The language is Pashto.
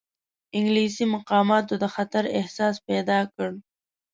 انګلیسي مقاماتو د خطر احساس پیدا کړ.